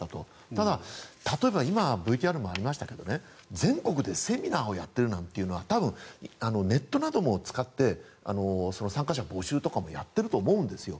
ただ、例えば今、ＶＴＲにもありましたが全国でセミナーをやっているなんていうのは多分、ネットなども使って参加者募集とかやってると思うんですよ。